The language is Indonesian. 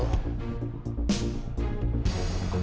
aku juga mohon sama kamu riri